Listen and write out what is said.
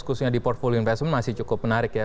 khususnya di portfoli investment masih cukup menarik ya